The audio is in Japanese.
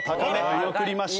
見送りました。